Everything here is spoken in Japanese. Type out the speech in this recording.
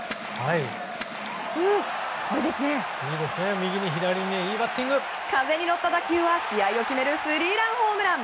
いいですね、右に左に風に乗った打球は試合を決めるスリーランホームラン。